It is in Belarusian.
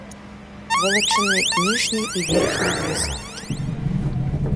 Вылучаны ніжні і верхні гарызонты.